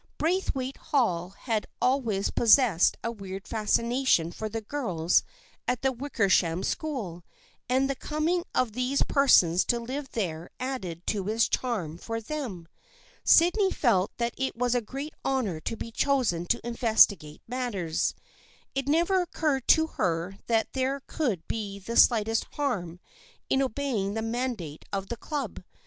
Braithwaite Hall had al ways possessed a weird fascination for the girls at the Wickersham School and the coming of these persons to live there added to its charm for them. Sydney felt that it was a great honor to be chosen to investigate matters. It never occurred to her that there could be the slightest harm in obeying the mandate of the Club.